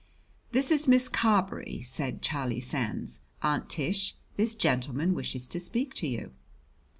"This is Miss Carberry," said Charlie Sands. "Aunt Tish, this gentleman wishes to speak to you."